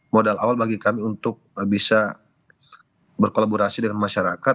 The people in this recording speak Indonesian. modal awal bagi kami untuk bisa berkolaborasi dengan masyarakat